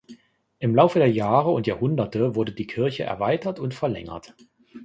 Im Laufe der Jahre und Jahrhunderte wurde die Kirche erweitert und verlängert.